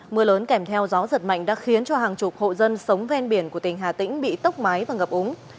mưa lớn kèm theo gió giật mạnh đã khiến cho hàng chục hộ dân sống ven biển của tỉnh hà tĩnh bị tốc mái và ngập úng